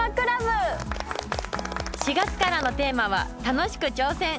４月からのテーマは「楽しく！挑戦！」。